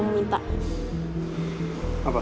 gak peduli lagi sama siapa